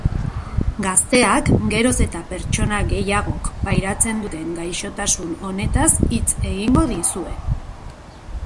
Gazteak, geroz eta pertsona gehiagok pairatzen duten gaixotasun honetaz hitz egingo dizue.